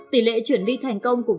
tỷ lệ chuyển đi thành công của